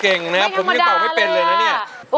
เก่งนะผมอยู่เป่าไม่เป็นเลยน่ะ